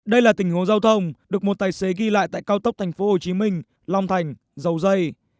đây là tình huống giao thông được một tài xế ghi lại tại cao tốc thành phố hồ chí minh long thành dầu dây